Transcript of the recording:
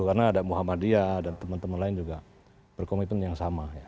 karena ada muhammadiyah dan teman teman lain juga berkomitmen yang sama